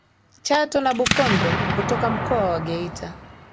Chato na Bukombe kutoka Mkoa wa Geita